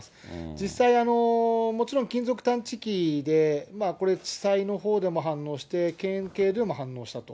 実際、もちろん金属探知機で、これ、地裁のほうでも反応して、県警でも反応したと。